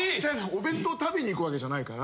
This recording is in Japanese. お弁当食べに行く訳じゃないから。